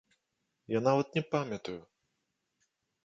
Я нават не памятаю!